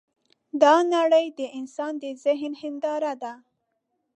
دا نړۍ د انسان د ذهن هینداره ده.